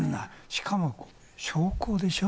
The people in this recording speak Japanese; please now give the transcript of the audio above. しかも焼香でしょ。